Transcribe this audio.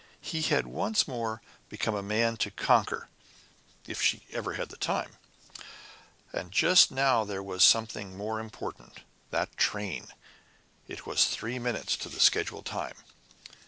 He had once more become a man to conquer if she ever had time! But just now there was something more important. That train! It was three minutes to the schedule time.